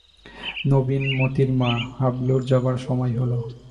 নবীন, মোতির মা, হাবলুর যাবার সময় হল।